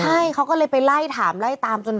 ใช่เขาก็เลยไปไล่ถามไล่ตามจน